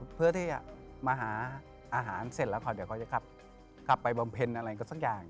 เพื่อที่จะมาหาอาหารเสร็จแล้วเดี๋ยวเขาจะกลับไปบำเพ็ญอะไรก็สักอย่าง